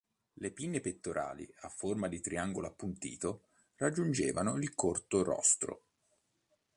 Le pinne pettorali a forma di triangolo appuntito raggiungevano il corto rostro.